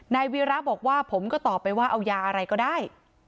วีระบอกว่าผมก็ตอบไปว่าเอายาอะไรก็ได้